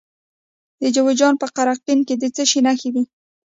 د جوزجان په قرقین کې د څه شي نښې دي؟